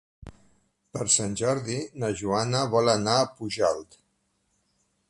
Per Sant Jordi na Joana vol anar a Pujalt.